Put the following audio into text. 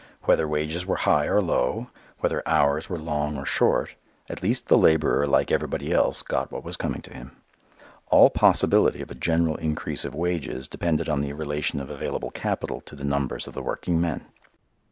Whether wages were high or low, whether hours were long or short, at least the laborer like everybody else "got what was coming to him." All possibility of a general increase of wages depended on the relation of available capital to the numbers of the working men.